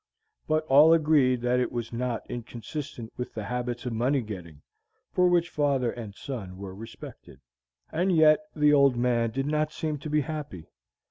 But all agreed that it was not inconsistent with the habits of money getting, for which father and son were respected. And yet, the old man did not seem to be happy.